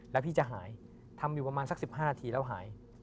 แล้วพี่จะหายทำอยู่ประมาณสัก๑๕นาทีแล้วหาย